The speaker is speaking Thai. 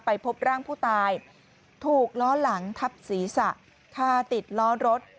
พบร่างผู้ตายถูกล้อหลังทับศีรษะคาติดล้อรถ